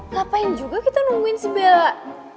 ngapain juga kita nungguin si bella